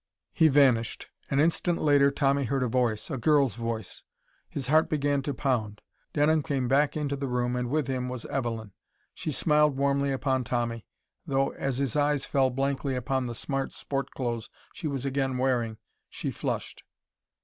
He vanished. An instant later Tommy heard a voice a girl's voice. His heart began to pound. Denham came back into the room and with him was Evelyn. She smiled warmly upon Tommy, though as his eyes fell blankly upon the smart sport clothes she was again wearing, she flushed.